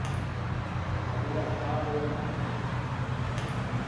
Avei a spâ da-o manego.